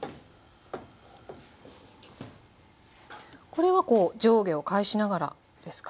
これはこう上下を返しながらですかね？